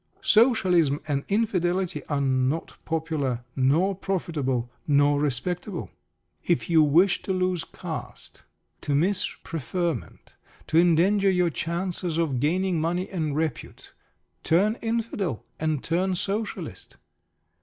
Socialism and Infidelity are not popular, nor profitable, nor respectable. If you wish to lose caste, to miss preferment, to endanger your chances of gaining money and repute, turn Infidel and turn Socialist.